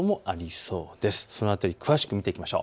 その辺り詳しく見ていきましょう。